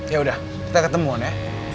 yaudah kita ketemuan ya